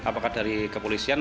apakah dari kepolisian